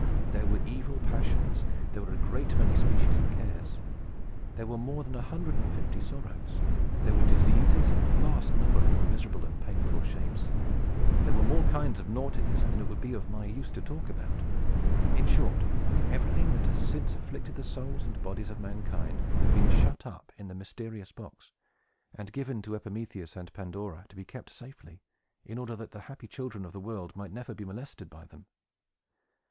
There were evil Passions; there were a great many species of Cares; there were more than a hundred and fifty Sorrows; there were Diseases, in a vast number of miserable and painful shapes; there were more kinds of Naughtiness than it would be of any use to talk about. In short, everything that has since afflicted the souls and bodies of mankind had been shut up in the mysterious box, and given to Epimetheus and Pandora to be kept safely, in order that the happy children of the world might never be molested by them.